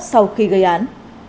sau khi gây án